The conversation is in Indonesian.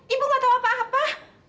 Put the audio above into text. ibu gak tahu apa apa